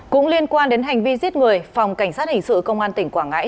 cũng liên quan đến hành vi giết người phòng cảnh sát hình sự công an tỉnh quảng ngãi